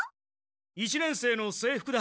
一年生の制服だ。